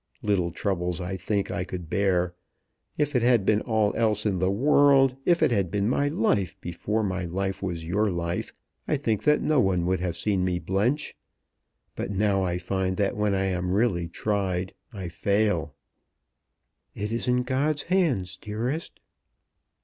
Little troubles I think I could bear. If it had been all else in all the world, if it had been my life before my life was your life, I think that no one would have seen me blench. But now I find that when I am really tried, I fail." "It is in God's hands, dearest."